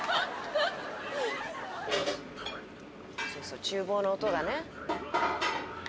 そうそう厨房の音がね。